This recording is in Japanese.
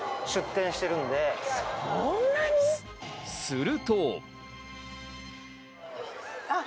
すると。